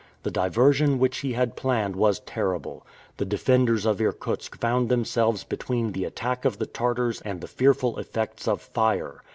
The diversion which he had planned was terrible. The defenders of Irkutsk found themselves between the attack of the Tartars and the fearful effects of fire.